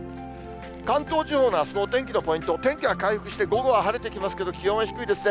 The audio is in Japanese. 関東地方のあすのお天気のポイント、天気は回復して午後は晴れてきますけど、気温は低いですね。